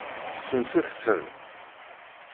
Senset-ten.